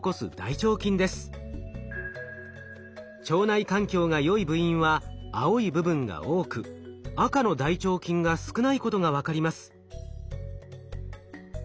腸内環境がよい部員は青い部分が多く赤の大腸菌が少ないことが分かります。